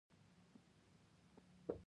د افغانستان په منظره کې آمو سیند ښکاره دی.